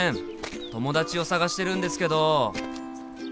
友達を捜してるんですけど。